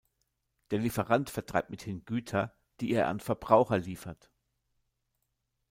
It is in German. Der Lieferant vertreibt mithin Güter, die er an Verbraucher liefert.